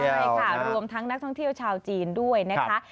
ใช่ค่ะรวมทั้งนักท่องเที่ยวชาวจีนด้วยนะคะ